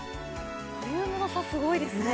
ボリュームの差すごいですね。